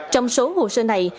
trong số hồ sơ này